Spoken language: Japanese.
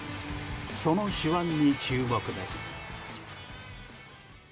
その手腕に注目です。